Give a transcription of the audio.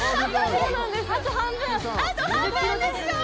あと半分ですよー！